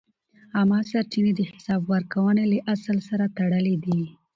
عامه سرچینې د حساب ورکونې له اصل سره تړلې دي.